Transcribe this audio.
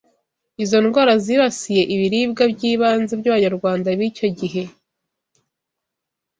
izo ndwara zibasiye ibiribwa by’ibanze by’Abanyarwanda b’icyo gihe